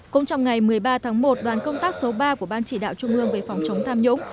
cũng trong ngày một mươi ba tháng một đoàn công tác số ba của ban chỉ đạo trung ương về phòng chống tham nhũng